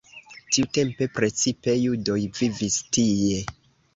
Tiutempe precipe judoj vivis tie.